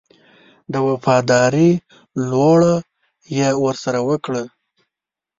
د وفاداري لوړه یې ورسره وکړه.